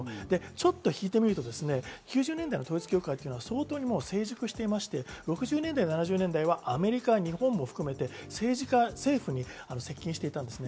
ちょっと引いてみると９０年代の統一教会というのは成熟していまして６０年代７０年代はアメリカ日本も含めて政治家政府に接近していたんですね。